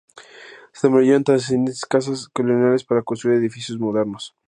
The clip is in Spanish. Se demolieron trescientas casas coloniales para construir edificios modernos.